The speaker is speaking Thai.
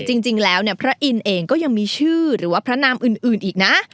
จริงแล้วเนี่ยพระอินทร์เองก็ยังมีชื่อหรือว่าพระนามอื่นอีกนะ